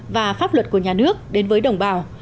và pháp luật của nhà nước đến với đồng bào